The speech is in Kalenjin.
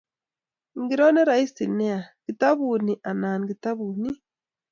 Ingiro ne raisi nea, kitabut ni anan kitabut nini?